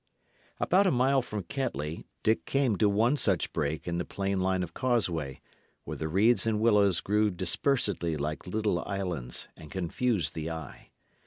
About a mile from Kettley, Dick came to one such break in the plain line of causeway, where the reeds and willows grew dispersedly like little islands and confused the eye.